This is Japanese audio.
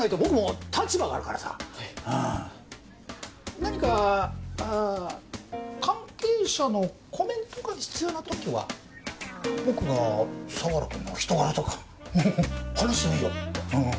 何か関係者のコメントが必要な時は僕が相良君の人柄とか話してもいいようん。